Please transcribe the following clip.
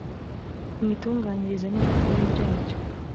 imitunganyirize n imikorere byacyo